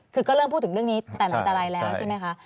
คือก็เริ่มพูดถึงเรื่องนี้แต่อันตรายแล้วใช่ไหมคะ